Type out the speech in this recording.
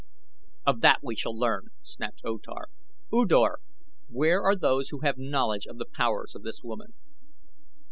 "Of that we shall learn," snapped O Tar. "U Dor, where are those who have knowledge of the powers of this woman?"